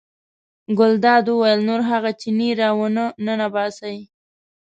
ګلداد وویل نور هغه چینی را ونه ننباسئ.